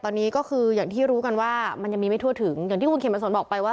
ตอนนี้ก็คืออย่างที่รู้กันว่ามันยังมีไม่ทั่วถึงอย่างที่คุณเขมสนบอกไปว่า